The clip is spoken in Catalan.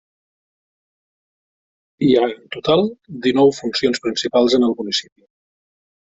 Hi ha en total dinou funcions principals en el municipi.